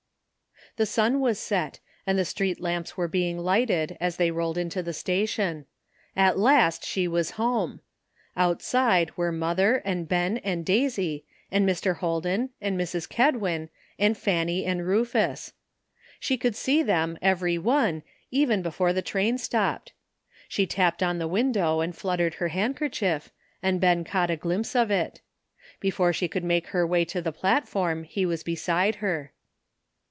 The sun was set, and the street lamps were being lighted as they rolled into the station ; at last she was at home. Outside were mother, and Ben, and Daisy, and Mr. Holden, and Mrs. Kedwin, and Fanny and Rufus ! She could see them, every one, even before the train stopped. She tapped on the window and fluttered her handkerchief, and Ben caught a glimpse of it. Before she could make her way to the platform he was beside her.